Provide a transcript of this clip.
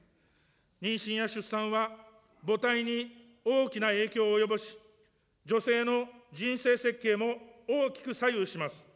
妊娠や出産は、母体に大きな影響を及ぼし、女性の人生設計も大きく左右します。